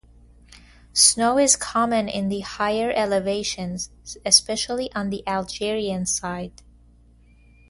Snow is common in the higher elevations especially on the Algerian side.